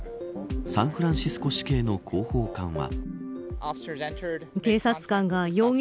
サンフランシスコ市警の広報官は。